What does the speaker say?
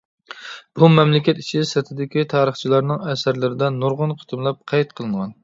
بۇ مەملىكەت ئىچى-سىرتىدىكى تارىخچىلارنىڭ ئەسەرلىرىدە نۇرغۇن قېتىملاپ قەيت قىلىنغان.